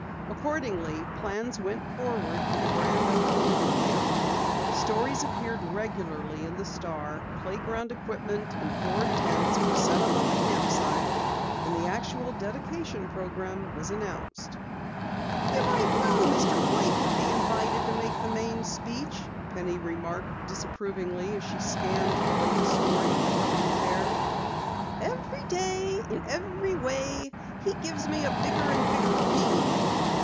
Accordingly, plans went forward for the grand opening of the camp. Stories appeared regularly in the Star, playground equipment and floored tents were set up on the camp site, and the actual dedication program was announced. "You might know Mr. Blake would be invited to make the main speech," Penny remarked disapprovingly as she scanned the latest story of the coming affair. "Every day, in every way, he gives me a bigger and bigger pain!"